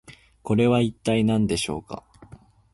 これは一体何でしょうか？